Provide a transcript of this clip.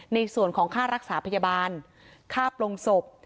ในส่วนของค่ารักษาพยาบาลค่าปลงศพ